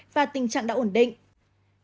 và tình trạng đã ổn định